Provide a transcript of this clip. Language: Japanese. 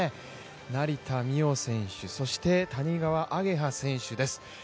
成田実生選手そして谷川亜華葉選手です。